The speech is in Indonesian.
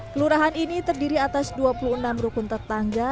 kelurahan ini terdiri atas dua puluh enam rukun tetangga